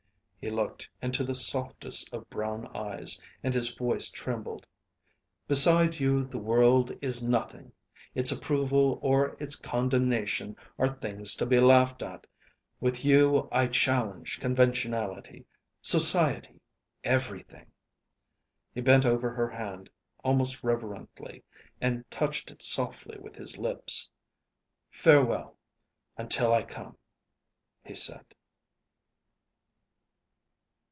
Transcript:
He looked into the softest of brown eyes, and his voice trembled. "Beside you the world is nothing. Its approval or its condemnation are things to be laughed at. With you I challenge conventionality society everything." He bent over her hand almost reverently and touched it softly with his lips. "Farewell until I come," he said.